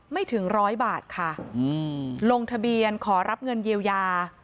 ถึงร้อยบาทค่ะลงทะเบียนขอรับเงินเยียวยา